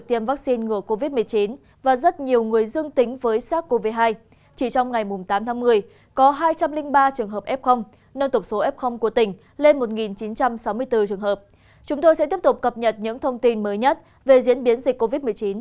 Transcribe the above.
các bạn hãy tiếp tục cập nhật những thông tin mới nhất về diễn biến dịch covid một mươi chín